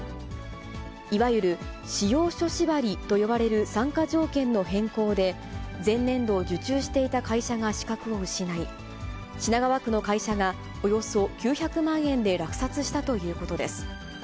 いわゆる仕様書縛りと呼ばれる参加条件の変更で、前年度、受注していた会社が資格を失い、品川区の会社がおよそ９００万円で落札したということです。